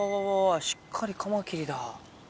しっかりカマキリだ。